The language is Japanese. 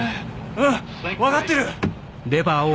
うん分かってる！